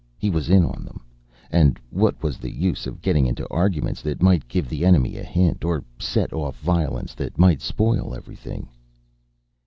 He was in on them. And what was the use of getting into arguments that might give the enemy a hint? Or set off violence that might spoil everything?